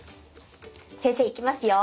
先生いきますよ。